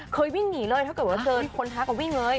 เคยวิ่งอย่างนี้เลยถ้าเกิดว่าเจอคนท้าก็วิ่งเลย